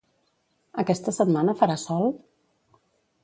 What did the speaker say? Aquesta setmana farà sol?